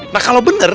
nah kalau benar